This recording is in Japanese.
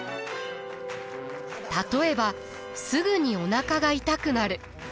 例えばすぐにおなかが痛くなる。